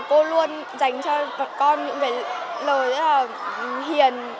cô luôn dành cho các con những lời rất là hiền